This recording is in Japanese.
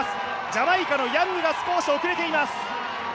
ジャマイカのヤングが少し遅れています。